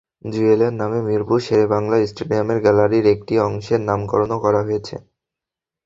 জুয়েলের নামে মিরপুর শেরেবাংলা স্টেডিয়ামের গ্যালারির একটি অংশের নামকরণও করা হয়েছে।